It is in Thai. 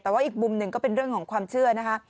แต่ว่าอีกมุมหนึ่งก็เป็นเรื่องของความเชื่อนะคะ